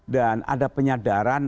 dan ada penyadaran